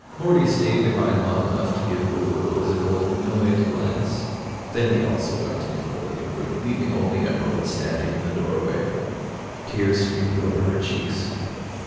Morty stayed behind long enough to give Lou a quizzical, annoyed glance. Then he also went into the living room, leaving only Emerald standing in the doorway. Tears streamed over her cheeks.